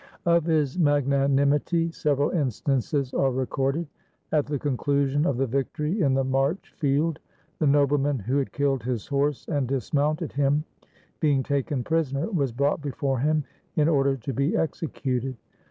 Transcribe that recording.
Of his magnanimity several instances are recorded. At the conclusion of the victory in the March field, the nobleman who had killed his horse and dismounted him, being taken prisoner, was brought before him, in order to be executed.